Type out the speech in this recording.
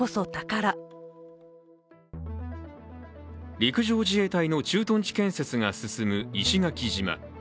陸上自衛隊の駐屯地建設が進む石垣島。